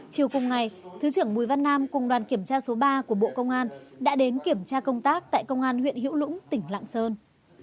chiều cùng ngày thứ trưởng bùi văn nam cùng đoàn kiểm tra số ba của bộ công an đã đến kiểm tra công tác tại công an huyện hữu lũng tỉnh lạng sơn